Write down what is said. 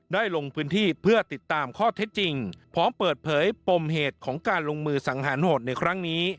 ลงพื้นที่เพื่อติดตามข้อเท็จจริงพร้อมเปิดเผยปมเหตุของการลงมือสังหารโหดในครั้งนี้